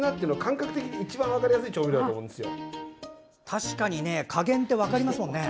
確かに加減って分かりますもんね。